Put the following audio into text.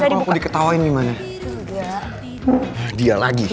ikun sampe lima bisa dibuka